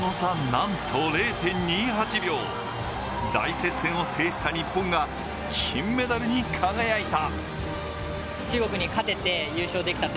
なんと０．２８秒、大接戦を制した日本が金メダルに輝いた。